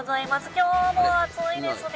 今日も暑いですね。